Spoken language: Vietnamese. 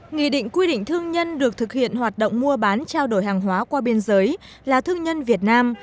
nghị định quy định thương nhân được thực hiện hoạt động mua bán trao đổi hàng hóa qua biên giới là thương nhân việt nam